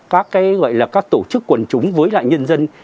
các cái gọi là các tổ chức quần chúng với lại nhân dân